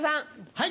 はい。